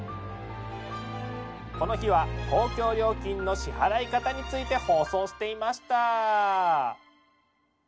この日は公共料金の支払い方について放送していました。